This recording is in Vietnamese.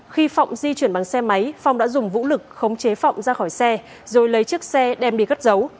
khi phong di chuyển bằng xe máy phong đã dùng vũ lực khống chế phong ra khỏi xe rồi lấy chiếc xe đem đi gắt dấu